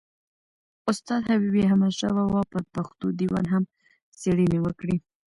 استاد حبیبي احمدشاه بابا پر پښتو دېوان هم څېړني وکړې.